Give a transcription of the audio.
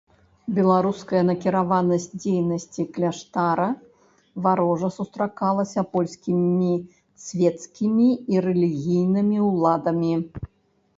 Беларуская накіраванасць дзейнасці кляштара варожа сустракалася польскімі свецкімі і рэлігійнымі ўладамі.